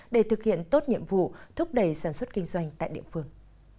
để thực hiện tốt nhiệm vụ thúc đẩy sản xuất kinh doanh tại địa phương